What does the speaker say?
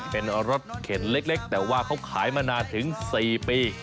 เป็นรถเข็นเล็กแต่ว่าเขาขายมานานถึง๔ปี